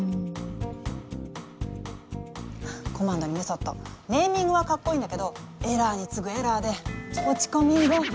「コマンド」に「メソッド」ネーミングはかっこいいんだけどエラーにつぐエラーで落ち込みんぐ。